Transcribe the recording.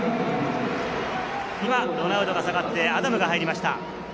今、ロナウドが下がってアダムが入りました。